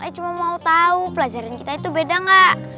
i cuma mau tau pelajaran kita itu beda gak